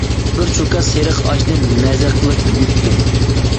بىر چوكا سېرىق ئاشنى مەزە قىلىپ يۇتتۇم.